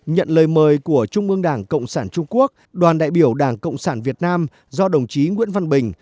nhận lời mời của trung ương đảng cộng sản trung quốc đoàn đại biểu đảng cộng sản việt nam do đồng chí nguyễn văn bình